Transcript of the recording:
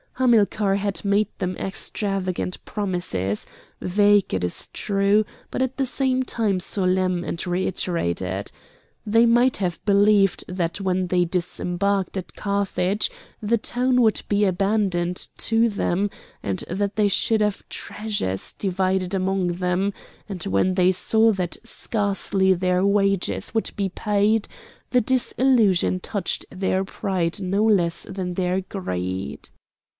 Hamilcar had made them extravagant promises, vague, it is true, but at the same time solemn and reiterated. They might have believed that when they disembarked at Carthage the town would be abandoned to them, and that they should have treasures divided among them; and when they saw that scarcely their wages would be paid, the disillusion touched their pride no less than their greed.